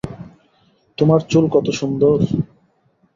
তোমার চুল কত সুন্দর!